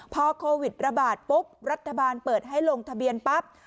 พอโควิดระบาดปุ๊บรัฐบาลเปิดให้ลงทะเบียนปั๊บ